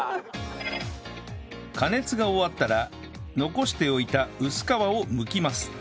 加熱が終わったら残しておいた薄皮をむきます